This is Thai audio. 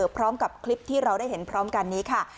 พร้อมกับคลิปที่เราได้เห็นพร้อมกันนี้ค่ะ